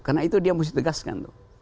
karena itu dia mesti tegaskan tuh